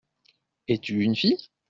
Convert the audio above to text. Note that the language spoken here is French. Es-tu une fille ?